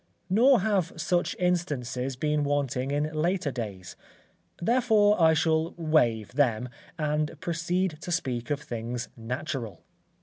Nor have such instances been wanting in later days; therefore, I shall wave them, and proceed to speak of things natural.